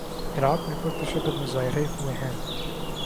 عراق میں پر تشدد مظاہرے ہوئے ہیں۔